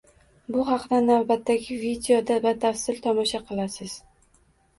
Bu haqda navbatdagi videoda batafsil tomosha qilasiz.